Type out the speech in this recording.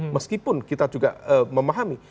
meskipun kita juga memahami